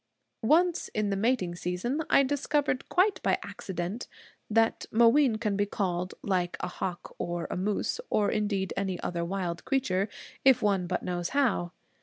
Once, in the mating season, I discovered quite by accident that Mooween can be called, like a hawk or a moose, or indeed any other wild creature, if one but knows how.